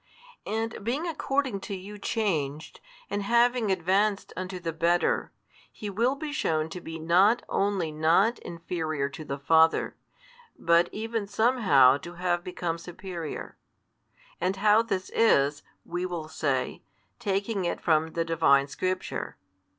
And being according to you changed, and having advanced unto the better, He will be shewn to be not only not inferior to the Father, but even somehow to have become superior: and how this is, we will say, taking it from the Divine Scripture.